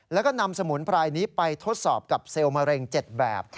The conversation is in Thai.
แล้วก็นำสมุนไพรนี้ไปทดสอบกับเซลล์มะเร็ง๗แบบ